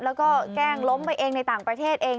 แล้วก็แกล้งล้มไปเองในต่างประเทศเอง